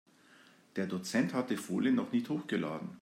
Der Dozent hat die Folien noch nicht hochgeladen.